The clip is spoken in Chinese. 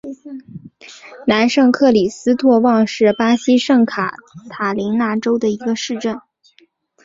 南圣克里斯托旺是巴西圣卡塔琳娜州的一个市镇。